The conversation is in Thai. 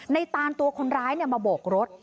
ตานตัวคนร้ายมาโบกรถ